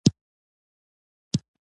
هیلۍ له انسانانو نه ډډه کوي